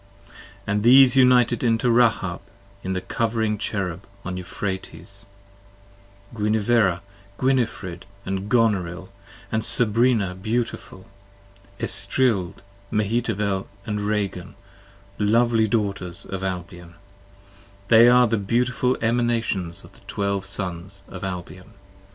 And these united into Rahab in the Covering Cherub on Euphrates, Gwiniverra & Gwinefred & Gonorill & Sabrina beautiful, Estrild, Mehetabel & Ragan, lovely Daughters of Albion, 45 They are the beautiful Emanations of the Twelve Sons of Albion.